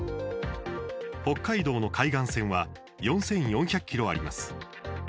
北海道の海岸線は４４００ｋｍあります。